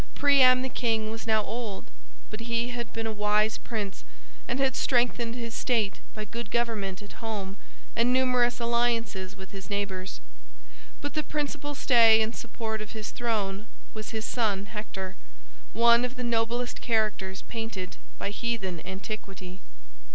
Priam, the king, was now old, but he had been a wise prince and had strengthened his state by good government at home and numerous alliances with his neighbors. But the principal stay and support of his throne was his son Hector, one of the noblest characters painted by heathen antiquity.